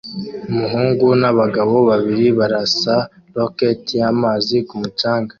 Umuhungu n'abagabo babiri barasa roketi y'amazi ku mucanga